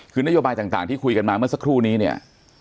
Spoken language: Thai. คือนโยบายต่างที่คุยกันมาเมื่อสักครู่นี้เนี่ย